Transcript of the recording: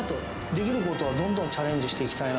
できることはどんどんチャレンジしていきたいな。